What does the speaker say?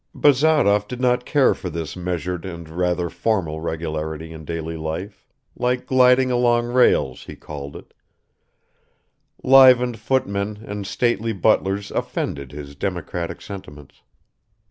Bazarov did not care for this measured and rather formal regularity in daily life, like "gliding along rails" he called it; livened footmen and stately butlers offended his democratic sentiments.